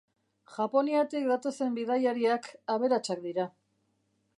Japoniatik datozen bidaiariak aberatsak dira.